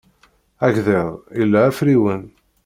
Agḍiḍ ila afriwen.